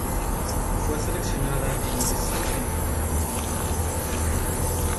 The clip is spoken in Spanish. Fue seleccionada e ingresó en el programa.